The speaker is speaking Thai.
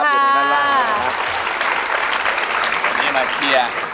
วันนี้มาเชียร์